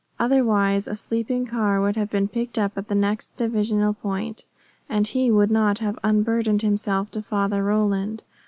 Otherwise a sleeping car would have been picked up at the next divisional point, and he would not have unburdened himself to Father Roland.